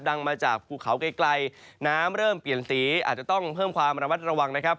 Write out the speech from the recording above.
มาจากภูเขาไกลน้ำเริ่มเปลี่ยนสีอาจจะต้องเพิ่มความระมัดระวังนะครับ